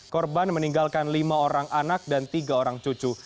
korban meninggalkan lima orang anak dan tiga orang cucu